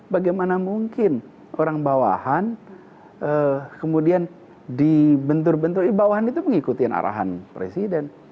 bagaimana mungkin orang bawahan kemudian dibentur bentur bawahan itu mengikuti arahan presiden